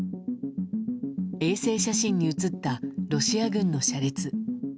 衛星写真に写ったロシア軍の車列。